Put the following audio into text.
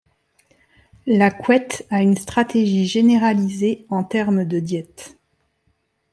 La couette a une stratégie généralisée en termes de diète.